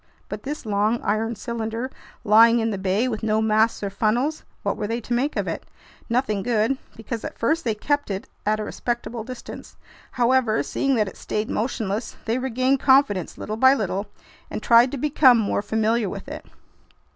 But this long, iron cylinder lying in the bay, with no masts or funnels—what were they to make of it? Nothing good, because at first they kept it at a respectful distance. However, seeing that it stayed motionless, they regained confidence little by little and tried to become more familiar with it.